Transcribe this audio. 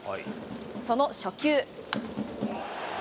その初球。